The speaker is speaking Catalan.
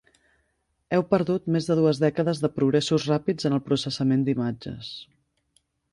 Heu perdut més de dues dècades de progressos ràpids en el processament d'imatges.